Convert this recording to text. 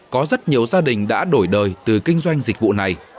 có rất nhiều gia đình đã đổi đời từ kinh doanh dịch vụ này